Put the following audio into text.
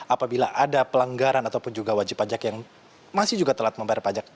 apabila ada pelanggaran ataupun juga wajib pajak yang masih juga telat membayar pajak